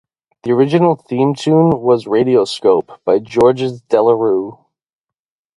The original theme tune was "Radioscopie" by Georges Delerue.